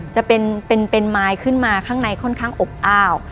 จะเป็นไม้ขึ้นมาข้างในค่อนข้างอบอ้าว